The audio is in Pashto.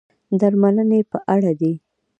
درملنې په اړه دي.